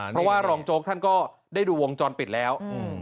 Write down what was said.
เพราะว่ารองโจ๊กท่านก็ได้ดูวงจรปิดแล้ว